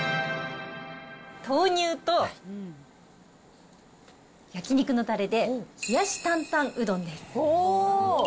豆乳と焼き肉のたれで冷やし坦々うどんです。